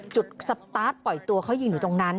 สตาร์ทปล่อยตัวเขายิงอยู่ตรงนั้น